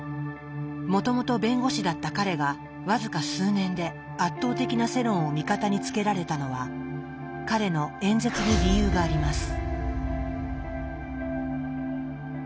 もともと弁護士だった彼が僅か数年で圧倒的な世論を味方につけられたのは彼の演説に理由があります。